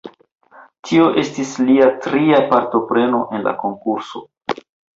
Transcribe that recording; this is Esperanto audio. Tio estis lia tria partopreno en la konkurso.